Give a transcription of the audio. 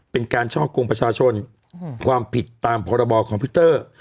เป็นการช่อกงประชาชนความผิดตามพรบคอมพิวเตอร์